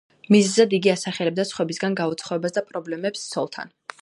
მიზეზად იგი ასახელებდა სხვებისგან გაუცხოებას და პრობლემებს ცოლთან.